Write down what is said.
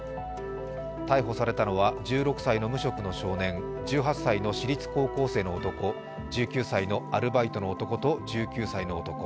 逮捕されたのは１６歳の無職の少年、１８歳の私立高校生の男、１９歳のアルバイトの男と１９歳の男。